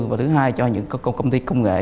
và thứ hai cho những công ty công nghệ